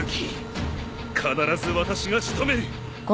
必ず私が仕留める。